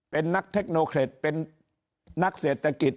เป็นนักเทคโนเครตเป็นนักเศรษฐกิจ